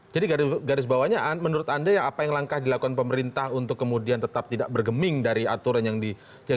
jadi garis bawahnya menurut anda apa yang langkah dilakukan pemerintah untuk kemudian tetap tidak bergeming dari aturan yang di